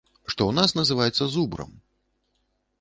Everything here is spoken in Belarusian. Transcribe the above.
Што у нас называецца зубрам!